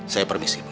saya permisi ibu